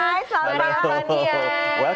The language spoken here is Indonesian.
hai selamat pagi